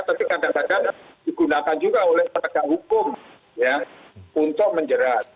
tapi kadang kadang digunakan juga oleh penegak hukum untuk menjerat